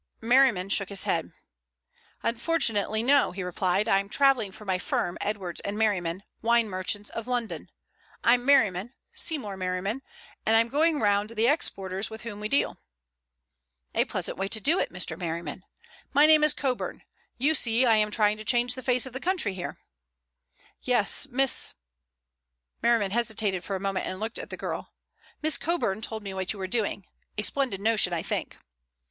Merriman shook his head. "Unfortunately, no," he replied. "I'm travelling for my firm, Edwards & Merriman, Wine Merchants of London. I'm Merriman, Seymour Merriman, and I'm going round the exporters with whom we deal." "A pleasant way to do it, Mr. Merriman. My name is Coburn. You see I am trying to change the face of the country here?" "Yes, Miss"—Merriman hesitated for a moment and looked at the girl—"Miss Coburn told me what you were doing. A splendid notion, I think."